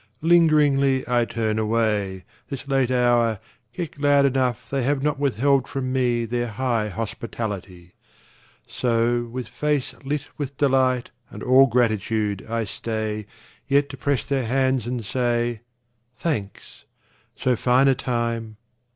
Lingeringly I turn away, This late hour, yet glad enough They have not withheld from me Their high hospitality. So, with face lit with delight And all gratitude, I stay Yet to press their hands and say, "Thanks. So fine a time